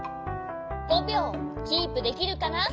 ５びょうキープできるかな？